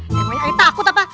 emangnya ayah takut apa